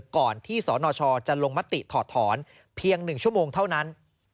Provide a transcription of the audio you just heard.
ก่อนที่สนชจะลงมติถอดถอนเพียง๑ชั่วโมงเท่านั้น